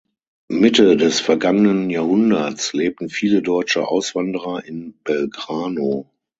Mitte des vergangenen Jahrhunderts lebten viele deutsche Auswanderer in Belgrano.